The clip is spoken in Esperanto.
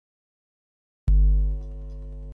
Ni ne miru ke ŝi nun fariĝis tre malgaja.